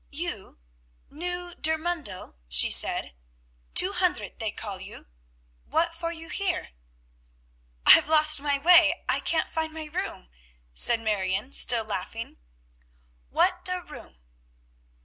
"You, new der Mundel," she said; "Two Hundert they call you. What for you hier?" "I've lost my way. I can't find my room," said Marion, still laughing. "What der Raum?"